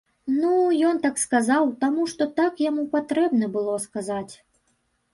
Ну, ён так сказаў, таму, што так яму патрэбна было сказаць.